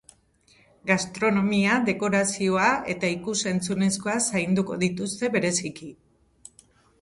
Gastronomia, dekorazioa eta ikus-entzunezkoa zainduko dituzte bereziki.